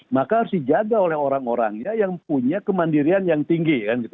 maka harus dijaga oleh orang orangnya yang punya kemandirian yang tinggi